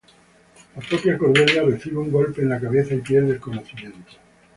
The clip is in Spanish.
La propia Cordelia recibe un golpe en la cabeza y pierde el conocimiento.